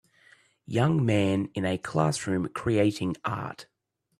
Young man in an classroom creating Art.